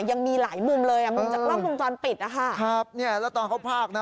ยังมีหลายมุมเลยอ่ะมุมจากกล้องวงจรปิดนะคะครับเนี่ยแล้วตอนเขาพากนะ